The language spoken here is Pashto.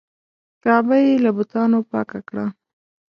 کعبه یې له بتانو پاکه کړه.